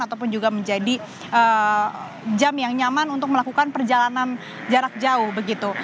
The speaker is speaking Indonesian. ataupun juga menjadi jam yang nyaman untuk melakukan perjalanan jarak jauh begitu